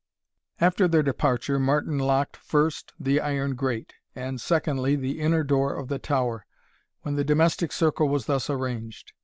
After their departure, Martin locked, first, the iron grate; and, secondly, the inner door of the tower, when the domestic circle was thus arranged.